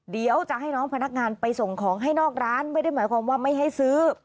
เดี๋ยวจะให้น้องพนักงานไปส่งของให้นอกร้านไม่ได้หมายความว่าไม่ให้ซื้อ